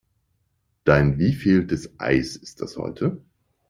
Dein wievieltes Eis ist das heute?